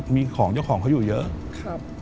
มีของเจ้าของเขาอยู่เยอะ